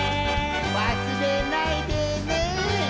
わすれないでね。